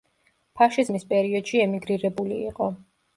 ფაშიზმის პერიოდში ემიგრირებული იყო.